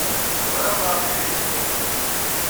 Ẓriɣ maɣef ay la yetteg aya.